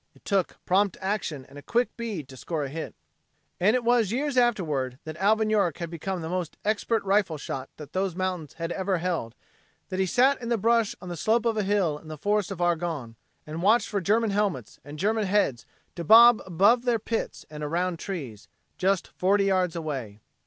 It took prompt action and a quick bead to score a hit. And it was years afterward, after Alvin York had become the most expert rifle shot that those mountains had ever held, that he sat in the brush on the slope of a hill in the Forest of Argonne and watched for German helmets and German heads to bob above their pits and around trees just forty yards away.